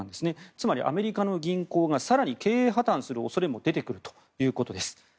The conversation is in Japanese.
つまり、アメリカの銀行が更に経営破たんする恐れも出てくるということです。